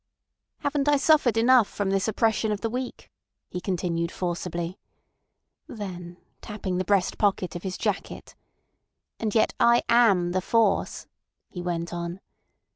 "Haven't I suffered enough from this oppression of the weak?" he continued forcibly. Then tapping the breast pocket of his jacket: "And yet I am the force," he went on.